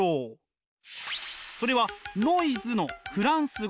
それはノイズのフランス語。